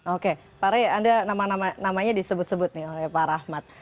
oke pak re anda namanya disebut sebut nih oleh pak rahmat